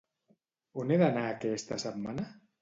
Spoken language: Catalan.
On he d'anar aquesta setmana?